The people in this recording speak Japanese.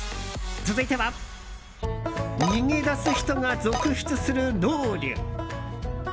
続いては逃げ出す人が続出するロウリュ。